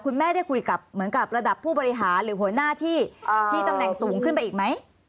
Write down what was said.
คุณแม่ได้คุยกับเหมือนกับระดับผู้บริหารหรือหัวหน้าที่ที่ตำแหน่งสูงขึ้นไปอีกไหม